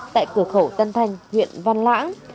tại cửa khẩu tân thành huyện văn lãng